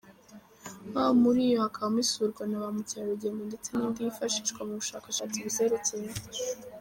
Muri yo hakabamo isurwa na ba mukerarugendo ndetse n’indi yifashishwa mu bushakashatsi buzerekeyeho.